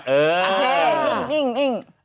อ๋อเสร็จ